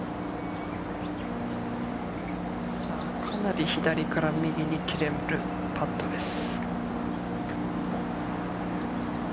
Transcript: かなり左から右に切れるパットです。